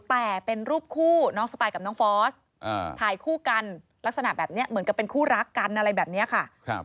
แต่เป็นรูปคู่น้องสปายกับน้องฟอสถ่ายคู่กันลักษณะแบบนี้เหมือนกับเป็นคู่รักกันอะไรแบบนี้ค่ะ